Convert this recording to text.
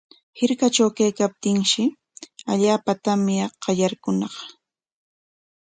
Hirkatraw kaykaptinshi allaapa tamya qallaykuñaq.